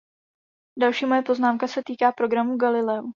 Další moje poznámka se týká programu Galileo.